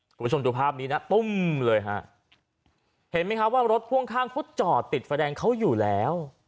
คุณผู้ชมดูภาพนี้นะตุ้มเลยฮะเห็นไหมครับว่ารถพ่วงข้างเขาจอดติดไฟแดงเขาอยู่แล้ว